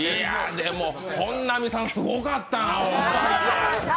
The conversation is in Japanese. でも、本並さん、すごかったな。